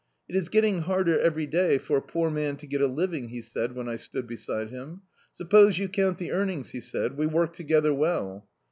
"It is getting harder every day for a poor man to get a living," he said, when I stood beside him. "Suppose you count the earnings," he said. "We work together well."